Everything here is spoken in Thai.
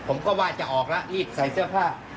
ผมก็ว่าจะออกแล้วรีบใส่เสื้อผ้า